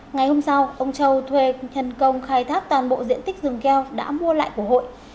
ngày hôm sau ông châu thuê thần công khai thác toàn bộ diện tích rừng keo đã mua lại của hội